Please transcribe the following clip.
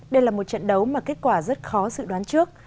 đây là một trận đấu mà kết quả rất khó dự đoán trước